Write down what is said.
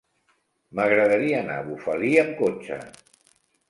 M'agradaria anar a Bufali amb cotxe.